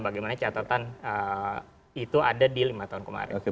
bagaimana catatan itu ada di lima tahun kemarin